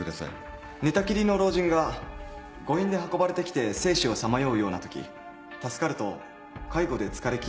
寝たきりの老人が誤飲で運ばれてきて生死をさまようようなとき助かると介護で疲れ切った家族は落胆する。